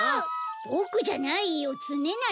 ボクじゃないよつねなりだよ。